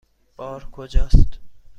بار کجاست؟